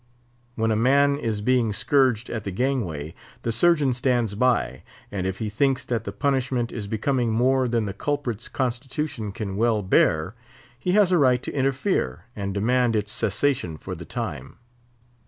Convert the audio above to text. When a man is being scourged at the gangway, the Surgeon stands by; and if he thinks that the punishment is becoming more than the culprit's constitution can well bear, he has a right to interfere and demand its cessation for the time.